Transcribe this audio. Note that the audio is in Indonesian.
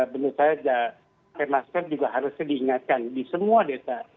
menurut saya pakai masker juga harusnya diingatkan di semua desa